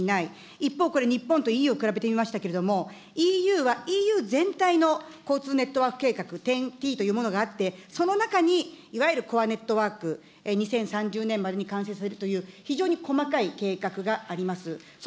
一方、これ日本とＥＵを比べてみましたけれども、ＥＵはＥＵ全体の交通ネットワーク計画、ＴＥＮーＴというものがありまして、その中にいわゆるコアネットワーク、２０３０年までに完成させるという非常に細かい計画があります。